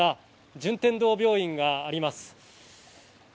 順天堂病院があります。